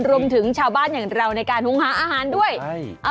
รวมถึงชาวบ้านอย่างเราในการหุงหาอาหารด้วย